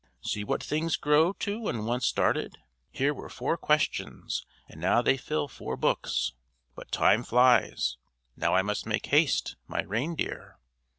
"See what things grow to when once started; here were four questions, and now they fill four books. But time flies. Now I must make haste! My reindeer!